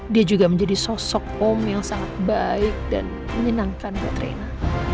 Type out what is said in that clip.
dia juga menjadi sosok om yang sangat baik dan menyenangkan buat reina